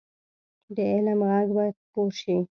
د علم غږ باید خپور شي